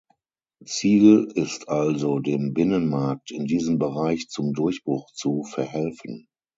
Ziel ist also, dem Binnenmarkt in diesem Bereich zum Durchbruch zu verhelfen.